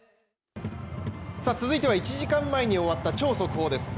続いては１時間前に終わった超速報です。